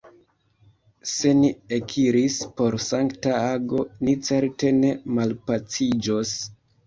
Se ni ekiris por sankta ago, ni certe ne malpaciĝos!